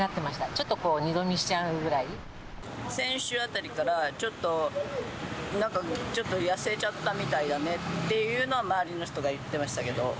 ちょっとこう、先週あたりから、ちょっと、なんかちょっと痩せちゃったみたいだねっていうのは周りの人が言ってましたけど。